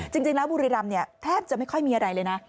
จริงแล้วบุรีรำเนี่ยแทบจะไม่ค่อยมีอะไรเลยนะ